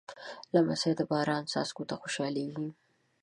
لمسی د باران څاڅکو ته خوشحالېږي.